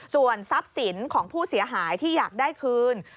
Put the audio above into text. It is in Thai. ส่วนทรัพย์สินของผู้เสียหายที่อยากได้คืน